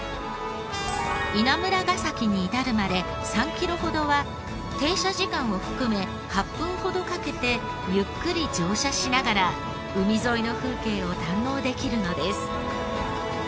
稲村ヶ崎に至るまで３キロほどは停車時間を含め８分ほどかけてゆっくり乗車しながら海沿いの風景を堪能できるのです。